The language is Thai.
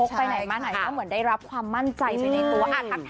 ไปไหนมาไหนก็เหมือนได้รับความมั่นใจไปในตัว